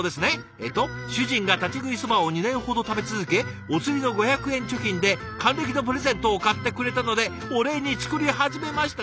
えっと「主人が立ち食いそばを２年ほど食べ続けおつりの５００円貯金で還暦のプレゼントを買ってくれたのでお礼に作り始めました」。